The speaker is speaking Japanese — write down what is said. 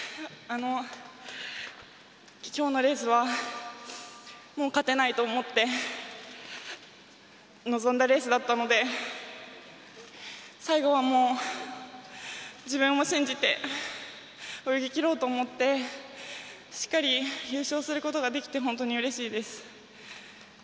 今日のレースはもう勝てないと思って臨んだレースだったので最後は自分を信じて泳ぎきろうと思ってしっかり優勝することができて本当にうれしいです。